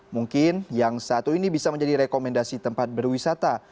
mungkin yang satu ini bisa menjadi rekomendasi tempat berwisata